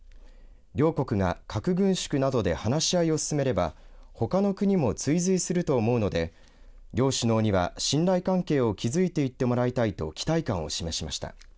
両国が核軍縮などで話し合いを進めればほかの国も追随すると思うので両首脳には信頼関係を築いていってもらいたいと期待感を示しました。